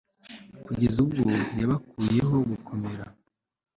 kugeza ubwo yabakuyeho gukomera